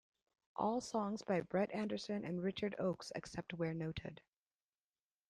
All songs by Brett Anderson and Richard Oakes except where noted.